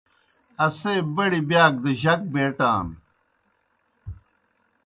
اسے بڑیْ بِیاک دہ جک بیٹان۔